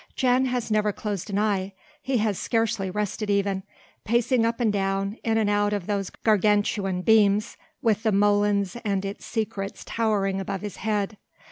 Jan has never closed an eye, he has scarcely rested even, pacing up and down, in and out of those gargantuan beams, with the molens and its secrets towering above his head.